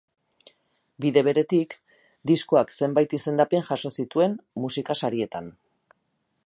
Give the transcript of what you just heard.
Bide beretik, diskoak zenbait izendapen jaso zituen, musika sarietan.